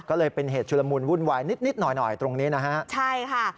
ก็เลยเป็นเหตุชุลมุนวุ่นวายนิดนิดหน่อยหน่อยตรงนี้นะฮะใช่ค่ะ